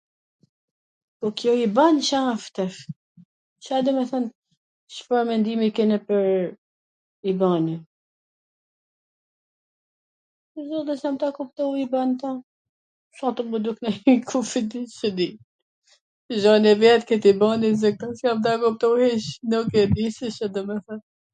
Po kjo IBAN Ca asht tash, Ca do me thwn Cfar mendimi keni pwr IBANin, pwr zotin sa ta kuptoj IBANin s a tu m u lut kur s e di, s e di, zoti vet kwt IBANin s jam tu kuptu, hiC, nuk e di se Ca do me thwn,